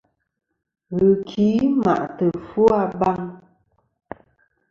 Ghɨki ma'tɨ ɨfwo a baŋ.